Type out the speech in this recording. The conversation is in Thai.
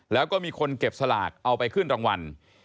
แล้วก็มีคนเก็บสลากเอาไปขึ้นรางวัล